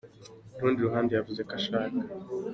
Ku rundi ruhande, yavuze ko ashaka.